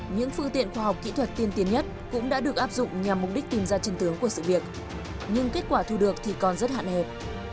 những phương tiện khoa học kỹ thuật tiên tiến nhất cũng đã được áp dụng nhằm mục đích tìm ra chân tướng của sự việc nhưng kết quả thu được thì còn rất hạn hẹp